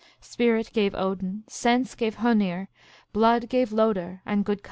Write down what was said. Spirit gave Odin, sense gave Hoenir, blood gave Lodur and good color."